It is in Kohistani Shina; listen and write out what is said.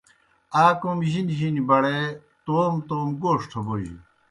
آ کوْم جِنی جِنیْ بڑے توموْ توموْ گوݜٹھہ بوجہ۔